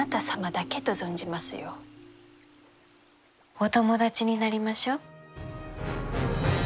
お友達になりましょう。